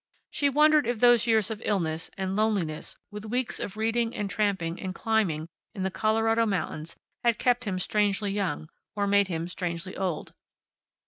She wondered if those years of illness, and loneliness, with weeks of reading, and tramping, and climbing in the Colorado mountains had kept him strangely young, or made him strangely old.